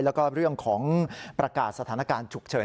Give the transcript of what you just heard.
แล้วก็เรื่องของประกาศสถานการณ์ฉุกเฉิน